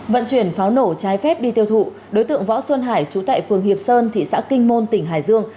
vận chuyển pháo nổ trái phép đi tiêu thụ đối tượng võ xuân hải chú tại phường hiệp sơn thị xã kinh môn tỉnh hải dương